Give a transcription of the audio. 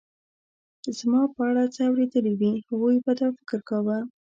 زما په اړه څه اورېدلي وي، هغوی به دا فکر کاوه.